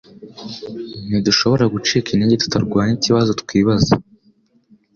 Ntidushobora gucika intege tutarwanye ikibazo twibaza